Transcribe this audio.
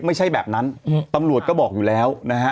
ไม่ใช่แบบนั้นตำรวจก็บอกอยู่แล้วนะฮะ